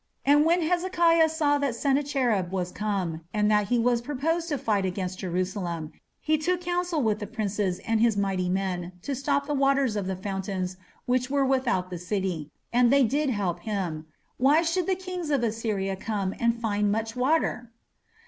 And when Hezekiah saw that Sennacherib was come, and that he was purposed to fight against Jerusalem, he took counsel with the princes and his mighty men to stop the waters of the fountains which were without the city: and they did help him.... Why should the kings of Assyria come and find much water?